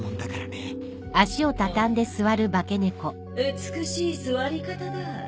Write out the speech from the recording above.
美しい座り方だ。